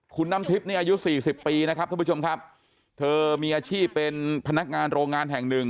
คุณน้ำทิพย์เนี่ยอายุสี่สิบปีนะครับท่านผู้ชมครับเธอมีอาชีพเป็นพนักงานโรงงานแห่งหนึ่ง